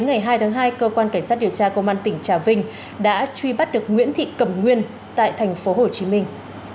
ngày hai tháng hai cơ quan cảnh sát điều tra công an tỉnh trà vinh đã truy bắt được nguyễn thị cẩm nguyên tại thành phố hồ chí minh